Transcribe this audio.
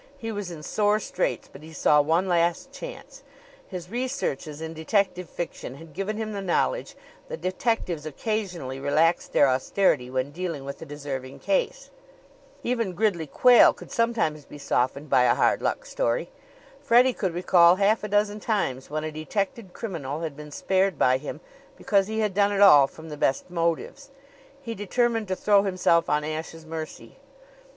He was in sore straits, but he saw one last chance. His researches in detective fiction had given him the knowledge that detectives occasionally relaxed their austerity when dealing with a deserving case. Even Gridley Quayle could sometimes be softened by a hard luck story. Freddie could recall half a dozen times when a detected criminal had been spared by him because he had done it all from the best motives. He determined to throw himself on Ashe's mercy.